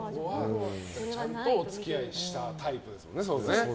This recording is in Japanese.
ちゃんとお付き合いしたタイプですよね。